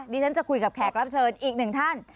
ดิฉันจะคุยกับแขกรับเชิญอีกหนึ่งท่าน